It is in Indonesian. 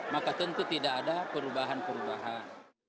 maka tentu tidak ada perubahan perubahan